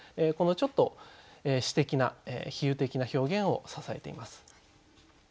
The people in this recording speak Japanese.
このちょっと詩的な比喩的な表現を支えています。